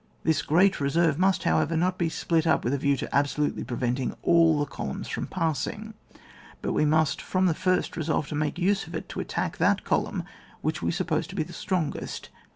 This great reserve must, however, not be split up with a view to absolutely pre venting all the columns from passing, but we must, from the first, resolve to make use of it to attack that column which we suppose to be the strongest.